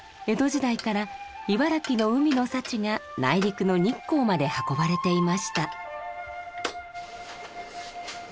江戸時代から茨城の海の幸が内陸の日光まで運ばれていました。